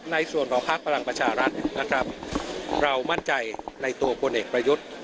ในส่วนของภาคพลังประชารัฐนะครับเรามั่นใจในตัวพลเอกประยุทธ์